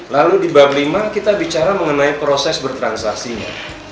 lalu di bablima kita bicara mengenai proses bertransaksinya